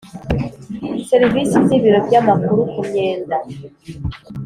Serivisi z ibiro by amakuru ku myenda